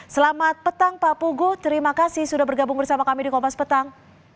selamat petang pak pugu terima kasih sudah bergabung bersama kami di kompas petang